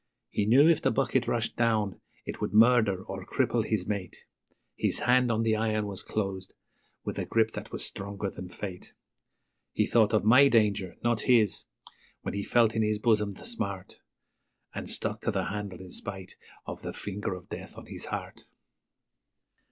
He knew if the bucket rushed down it would murder or cripple his mate His hand on the iron was closed with a grip that was stronger than Fate; He thought of my danger, not his, when he felt in his bosom the smart, And stuck to the handle in spite of the Finger of Death on his heart.